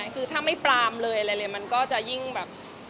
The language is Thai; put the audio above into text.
คือถ้าไม่ปรามเลยอะไรเลยมันก็จะยิ่งแบบ